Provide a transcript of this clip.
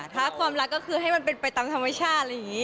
ถ้าความรักก็คือให้มันเป็นไปตามธรรมชาติ